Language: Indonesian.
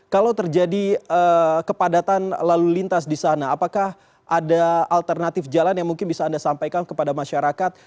kalau terjadi kepadatan lalu lintas di sana apakah ada alternatif jalan yang mungkin bisa anda sampaikan kepada masyarakat